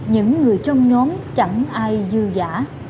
những người trong nhóm chẳng ai dư giã